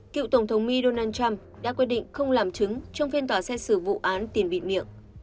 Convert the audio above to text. cựu tổng thống mỹ donald trump đã quyết định không làm chứng trong phiên tòa xét xử vụ án tiền bị miệng